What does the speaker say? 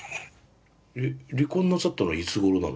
えっ離婚なさったのはいつごろなの？